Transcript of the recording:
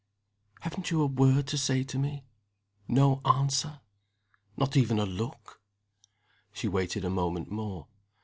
"Haven't you a word to say to me? No answer? Not even a look?" She waited a moment more.